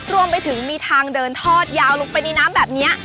รวมไปถึงมีทางเดินทอดยาวลงไปในน้ำแบบนี้